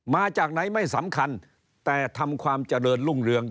มาจากไหนไม่สำคัญแต่ทำความเจริญรุ่งเรือง